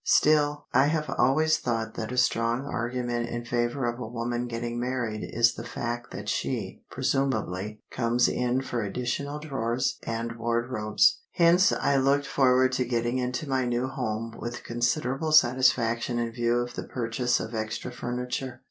Still, I have always thought that a strong argument in favour of a woman getting married is the fact that she, presumably, comes in for additional drawers and wardrobes. Hence I looked forward to getting into my new home with considerable satisfaction in view of the purchase of extra furniture.